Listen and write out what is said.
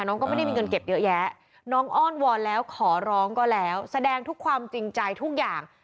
น้องก็ไม่ได้มีเงินเก็บเยอะแยะน้องอ้อนวอนแล้วขอร้องก็แล้วแสดงทุกความจริงใจทุกอย่าง